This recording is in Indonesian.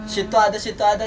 situ ada situ ada